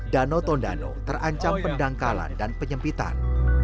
danau tondano terancam pendangkalan dan penyempitan